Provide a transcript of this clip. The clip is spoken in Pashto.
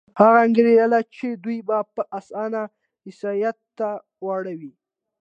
هغه انګېرله چې دوی به په اسانه عیسایت ته واوړي.